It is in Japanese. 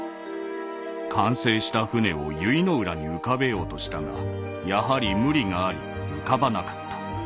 「完成した船を由比浦に浮かべようとしたがやはり無理があり浮かばなかった。